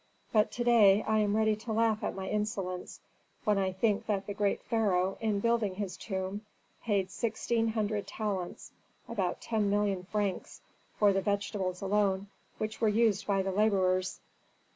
But to day I am ready to laugh at my insolence when I think that the great pharaoh in building his tomb paid sixteen hundred talents (about ten million francs) for the vegetables alone which were used by the laborers.